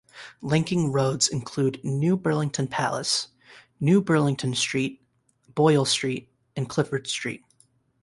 Linking roads include New Burlington Place, New Burlington Street, Boyle Street, and Clifford Street.